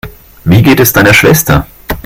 Wie geht es deiner Schwester?